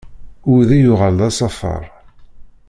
Udi yuɣal d asafar.